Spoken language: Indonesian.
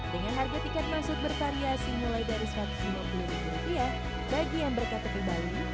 dengan harga tiket masuk bervariasi mulai dari rp satu ratus lima puluh bagi yang berkata ke bali